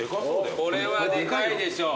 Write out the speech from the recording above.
これはでかいでしょ。